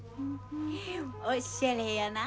おっしゃれやな。